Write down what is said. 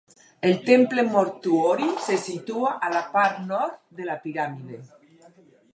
El temple mortuori se situa a la part nord de la piràmide.